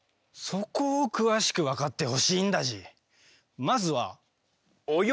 そこを詳しく分かってほしいんだＧ。